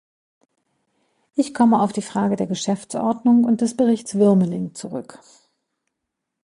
Ich komme auf die Frage der Geschäftsordnung und des Berichts Wuermeling zurück.